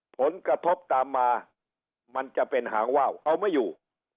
ผลกระทบตามมามันจะเป็นหางว่าวเอาไม่อยู่